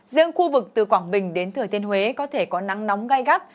riêng khu vực từ quảng bình đến thừa thiên huế có thể có nắng nóng gai gắt